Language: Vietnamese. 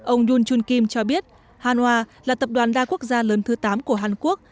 ông jun chun kim cho biết hanwha là tập đoàn đa quốc gia lớn thứ tám của hàn quốc